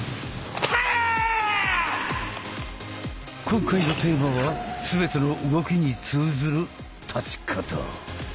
今回のテーマは全ての動きに通ずる「立ち方」。